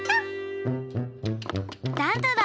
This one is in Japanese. ダン太だ。